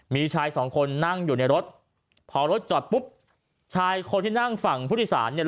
มีชายสองคนนั่งอยู่ในรถพอรถจอดปุ๊บชายคนที่นั่งฝั่งผู้โดยสารเนี่ย